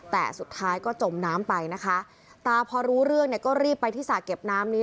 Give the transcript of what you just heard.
แต่สุดท้ายก็จมน้ำไปนะคะตาพอรู้เรื่องเนี่ยก็รีบไปที่สระเก็บน้ำนี้